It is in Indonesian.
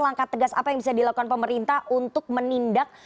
langkah tegas apa yang bisa dilakukan pemerintah untuk menindak